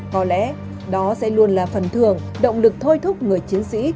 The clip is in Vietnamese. có lẽ đó sẽ luôn là phần thường động lực thôi thúc người chiến sĩ